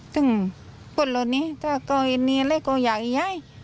ต้องกดละนี้ถ้าเกิดอันนี้อะไรก็อยากให้